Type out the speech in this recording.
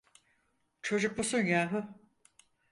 Çocuk musun yahu?